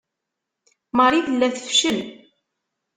Marie tella tefcel.